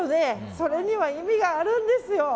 それには意味があるんですよ。